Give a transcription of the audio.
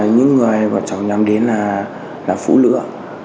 những người bọn cháu nhắm đến là phũ lửa